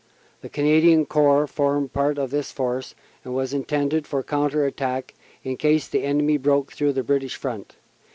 The Canadian Corps formed part of this force and was intended for counter attack in case the enemy broke 10 CANADA S HUNDRED DAYS through the British front.